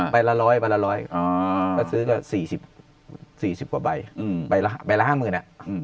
ไปละร้อยก็ซื้อสี่สิบสี่สิบกว่าใบไปละห้าหมื่น